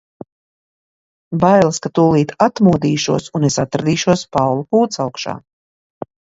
Bailes, ka tūlīt atmodīšos un es atradīšos Paula kūtsaugšā.